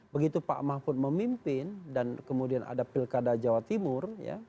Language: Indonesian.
begitu pak mahfud memimpin dan kemudian ada pilkada jawa timur